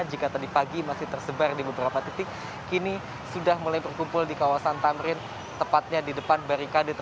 jika tadi pagi masih tersebar di beberapa titik kini sudah mulai berkumpul di kawasan tamrin tepatnya di depan barikade